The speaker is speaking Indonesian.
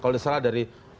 kalau disalah dari